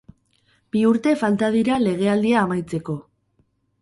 Bi urte falta dira legealdia amaitzeko.